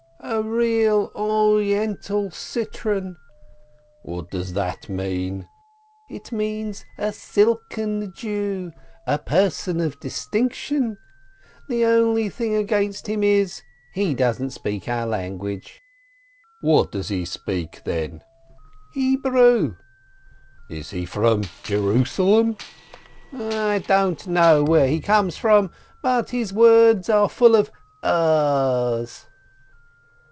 "A real Oriental citron !" "What does that mean?" "It means a 'silken Jew/ a personage of distinction. The only thing against him is — he doesn't speak our language." "What does he speak, then?" "Hebrew." "Is he from Jerusalem?" "I don't know where he comes from, but his words are full of a's."